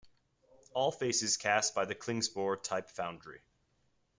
All faces cast by the Klingspor Type Foundry.